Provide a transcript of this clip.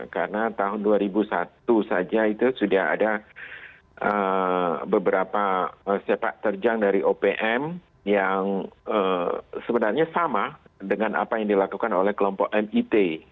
karena tahun dua ribu satu saja itu sudah ada beberapa sepak terjang dari opm yang sebenarnya sama dengan apa yang dilakukan oleh kelompok mit